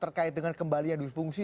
terkait dengan kembalian duit fungsi